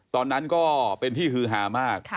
ตอนนั้นก็เป็นที่ฮือหามาก